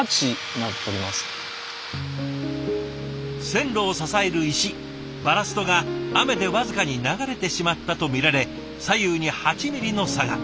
線路を支える石バラストが雨で僅かに流れてしまったとみられ左右に８ｍｍの差が。